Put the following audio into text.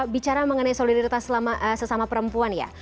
bicara mengenai solidaritas sesama perempuan ya